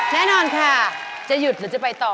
แน่นอนค่ะจะหยุดหรือจะไปต่อ